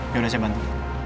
yaudah saya bantu